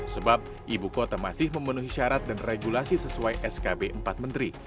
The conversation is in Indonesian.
sebab ibu kota masih memenuhi syarat dan regulasi sesuai skb empat menteri